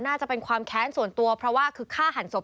น่าจะเป็นความแค้นส่วนตัวเพราะว่าคือฆ่าหันศพ